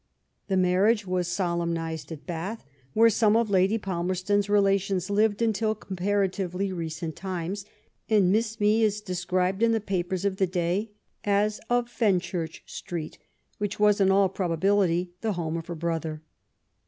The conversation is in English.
The marriage was solemnized at Bath, where some of Lady Palmerston's relations lived until comparatively recent times, and Miss Mee is described in the papers of the day as "of Fenchurch Street/' which was in all probability the home of her brother.